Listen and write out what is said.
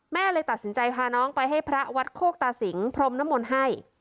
เลยตัดสินใจพาน้องไปให้พระวัดโคกตาสิงพรมนมลให้